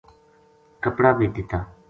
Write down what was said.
کپڑا بے دتا